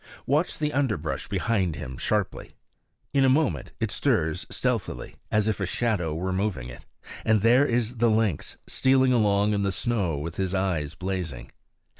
Watch the underbrush behind him sharply. In a moment it stirs stealthily, as if a shadow were moving it; and there is the lynx, stealing along in the snow with his eyes blazing.